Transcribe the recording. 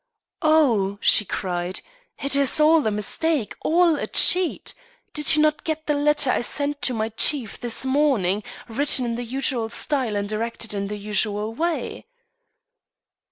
"Oh!" she cried, "it is all a mistake, all a cheat. Did you not get the letter I sent to my chief this morning, written in the usual style and directed in the usual way?"